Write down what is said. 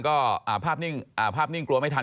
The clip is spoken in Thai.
ก็ภาพนิ่งกลัวไม่ทัน